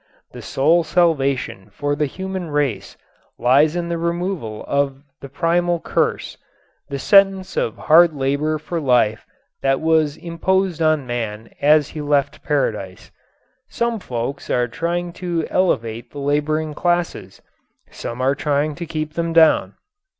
The sole salvation for the human race lies in the removal of the primal curse, the sentence of hard labor for life that was imposed on man as he left Paradise. Some folks are trying to elevate the laboring classes; some are trying to keep them down.